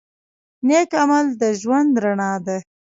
نیک عمل د ژوند رڼا ده.